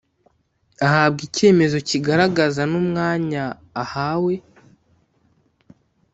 ahabwa icyemezo kigaragaza n’umwanya ahawe